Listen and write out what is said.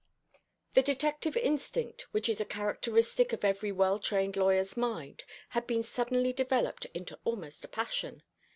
The detective instinct, which is a characteristic of every well trained lawyer's mind, had been suddenly developed into almost a passion.